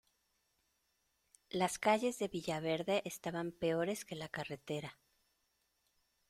Las calles de villaverde estaban peores que la carretera.